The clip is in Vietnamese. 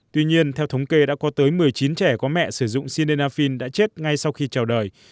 tuy nhiên theo thống kê đã có tới một mươi chín trẻ có mẹ sử dụng sidenafin đã chết ngay sau khi trào đời